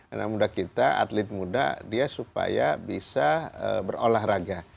anak muda kita atlet muda dia supaya bisa berolahraga